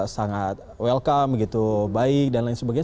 yang kata dokter sangat welcome baik dan lain sebagainya